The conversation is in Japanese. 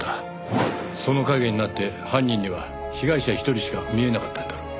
その陰になって犯人には被害者一人しか見えなかったんだろう。